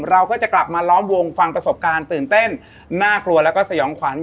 เราก็จะกลับมาล้อมวงฟังประสบการณ์ตื่นเต้นน่ากลัวแล้วก็สยองขวัญ